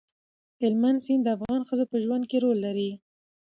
هلمند سیند د افغان ښځو په ژوند کې رول لري.